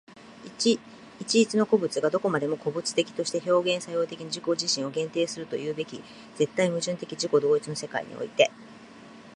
一々の個物がどこまでも個物的として表現作用的に自己自身を限定するというべき絶対矛盾的自己同一の世界において、